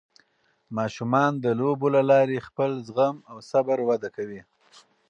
ماشومان د لوبو له لارې خپل زغم او صبر وده کوي.